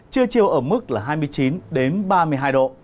chưa chịu ở mức là hai mươi chín đến ba mươi hai độ